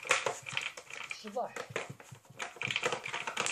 Tecḍeḥ.